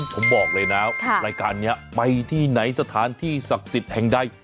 ผมบอกเลยนะรายการนี้ไปที่ไหนสถานที่ศักดิ์สิทธิ์แห่งใด